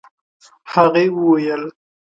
هغې وويل: